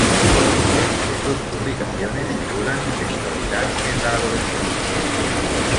Entre sus publicaciones figuran "Sexualidad en la adolescencia.